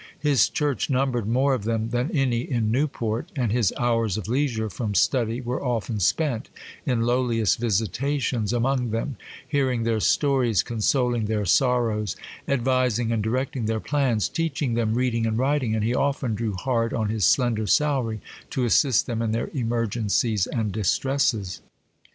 His church numbered more of them than any in Newport; and his hours of leisure from study were often spent in lowliest visitations among them, hearing their stories, consoling their sorrows, advising and directing their plans, teaching them reading and writing, and he often drew hard on his slender salary to assist them in their emergencies and distresses.